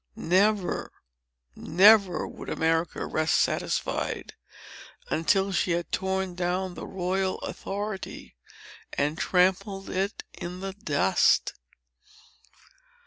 Never—never would America rest satisfied, until she had torn down the royal authority, and trampled it in the dust.